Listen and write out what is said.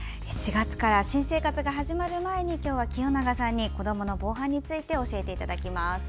４月から新生活が始まる前に今日は清永さんに子どもの防犯について教えていただきます。